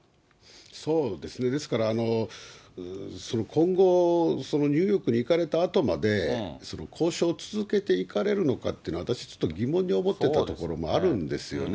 そうですね、ですから、今後、ニューヨークに行かれたあとまで交渉を続けていかれるのかっていうのは、私ちょっと疑問に思ってたところもあるんですよね。